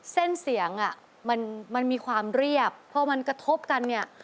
เส้นเสียงอ่ะมันมีความเรียบพอมันกระทบกันเนี่ย